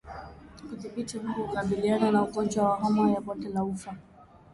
Kudhibiti mbu hukabiliana na ugonjwa wa homa ya bonde la ufa